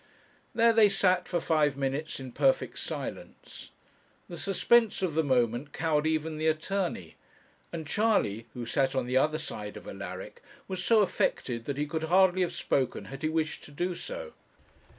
There they sat for five minutes in perfect silence; the suspense of the moment cowed even the attorney, and Charley, who sat on the other side of Alaric, was so affected that he could hardly have spoken had he wished to do so.